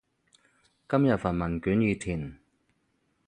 今日份問卷已填